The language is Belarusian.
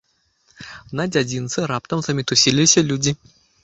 На дзядзінцы раптам замітусіліся людзі.